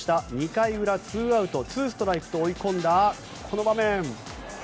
２回裏、ツーアウトツーストライクと追い込んだこの場面。